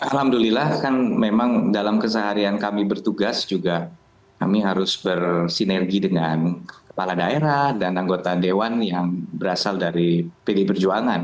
alhamdulillah kan memang dalam keseharian kami bertugas juga kami harus bersinergi dengan kepala daerah dan anggota dewan yang berasal dari pd perjuangan